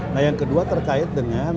nah yang kedua terkait dengan